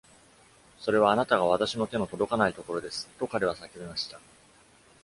「それは、あなたが私の手の届かないところです」と、彼は叫びました。